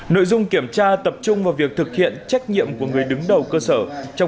nội dung kiểm tra tập trung vào việc thực hiện trách nhiệm của người đứng đầu cơ sở trong